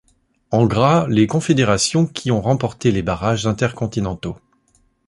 En gras les confédérations qui ont remporté les barrages inter-continentaux.